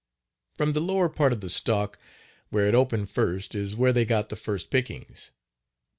From the lower part of the stalk where it opened first is where they got the first pickings.